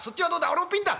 「俺もピンだ。